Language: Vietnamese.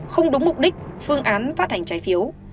không đúng mục đích phương án phát hành trái phiếu